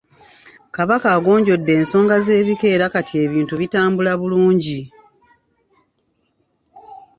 Kabaka yagonjodde ensonga z'ebika era kati ebintu bitambula bulungi.